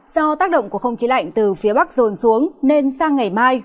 do tác động của không khí lạnh từ phía bắc rồn xuống nên sang ngày mai